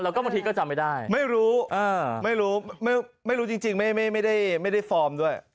แล้วก็บางทีก็จำไม่ได้ไม่รู้ไม่รู้จริงไม่ได้ฟอร์มด้วย